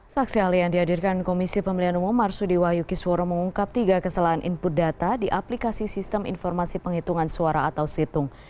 saksi ahli yang dihadirkan komisi pemilihan umum marsudi wahyu kisworo mengungkap tiga kesalahan input data di aplikasi sistem informasi penghitungan suara atau situng